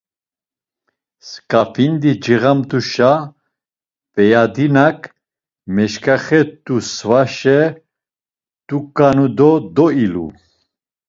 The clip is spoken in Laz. Sǩafindi ciğamt̆uşa Feyadinak meşǩaxet̆u svaşe duǩanu do doilu.